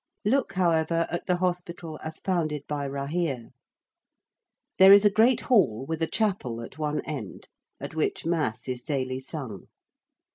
Look, however, at the hospital as founded by Rahere. There is a great hall with a chapel at one end: at which mass is daily sung.